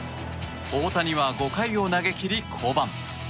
大谷は５回を投げ切り、降板。